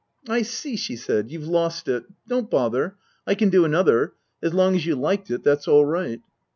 " I see," she said. " You've lost it. Don't bother. I can do another. As long as you liked it, that's all right."